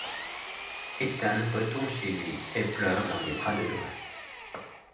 Ethan retourne chez lui et pleure dans les bras de Grace.